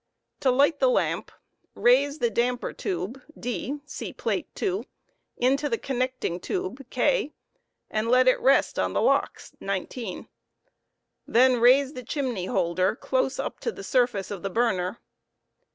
To light the lamp, raise the damper^tube D (see Plate 2) jnto the connecting tube K, and let it rest on the locks 19; then raise the chimney holder dose up to the surface of the burner.